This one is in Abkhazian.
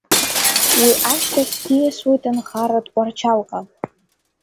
Уи ашьҭахь диасуеит нхара Тҟәарчалҟа.